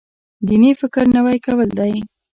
دیني فکر نوی کول دی.